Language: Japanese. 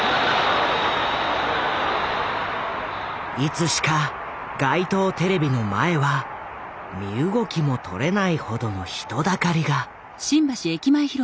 いつしか街頭テレビの前は身動きもとれないほどの人だかりが。